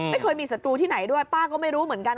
ไม่เคยมีศัตรูที่ไหนด้วยป้าก็ไม่รู้เหมือนกัน